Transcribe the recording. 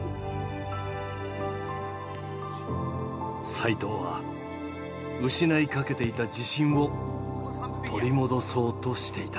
齋藤は失いかけていた自信を取り戻そうとしていた。